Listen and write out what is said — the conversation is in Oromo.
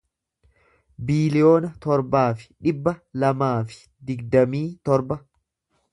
biiliyoona torbaa fi dhibba lamaa fi digdamii torba